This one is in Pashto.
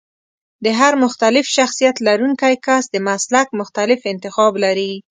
د هر مختلف شخصيت لرونکی کس د مسلک مختلف انتخاب لري.